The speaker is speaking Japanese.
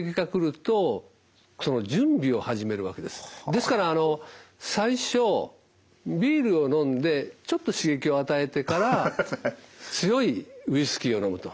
ですから最初ビールを飲んでちょっと刺激を与えてから強いウイスキーを飲むとすると大丈夫なんです。